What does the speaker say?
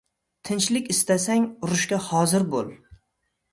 Tinchlik istasang – urushga hozir boʻl.